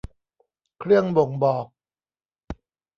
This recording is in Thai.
เครื่องบ่งบอก